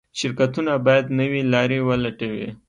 شرکتونه باید نوې لارې ولټوي.